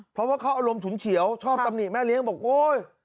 เพราะว่าเขาอารมณ์ฉุนเฉียวชอบตำหนิแม่เลี้ยงบอกโอ๊ย